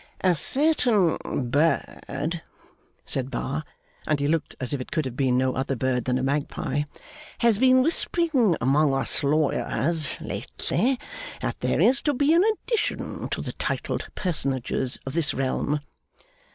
'A certain bird,' said Bar; and he looked as if it could have been no other bird than a magpie; 'has been whispering among us lawyers lately, that there is to be an addition to the titled personages of this realm.